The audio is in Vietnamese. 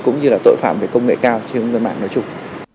cũng như là tội phạm về công nghệ cao trên hướng dân mạng nói chung